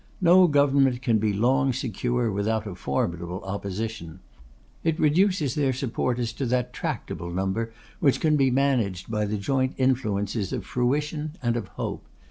No government can be long secure without a formidable Opposition. It reduces their supporters to that tractable number which can be managed by the joint influences of fruition and of hope.